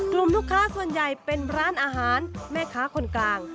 กลุ่มลูกค้าส่วนใหญ่เป็นร้านอาหารแม่ค้าคนกลาง